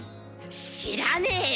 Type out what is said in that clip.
知らねよ。